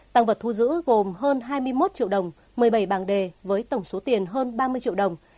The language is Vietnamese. tăng vật thu giữ gồm hơn hai mươi một triệu đồng một mươi bảy bảng đề với tổng số tiền hơn ba mươi triệu đồng